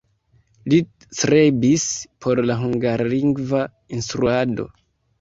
Li strebis por la hungarlingva instruado.